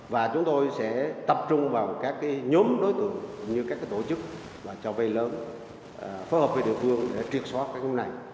và chúng tôi sẽ tập trung vào các nhóm đối tượng như các tổ chức cho vay lớn phối hợp với địa phương để truyệt xóa các nhóm này